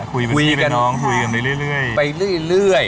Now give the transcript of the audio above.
คุยกันไปเรื่อย